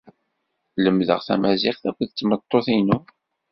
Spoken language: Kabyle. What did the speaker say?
Lemdeɣ tamaziɣt akked tmeṭṭut-inu.